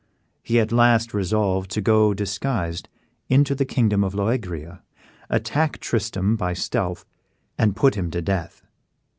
He at last resolved to go disguised into the kingdom of Loegria, attack Tristram by stealth, and put him to death.